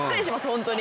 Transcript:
ホントに。